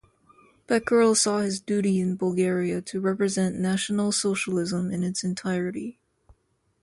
Beckerle saw his duty in Bulgaria to "represent National Socialism in its entirety".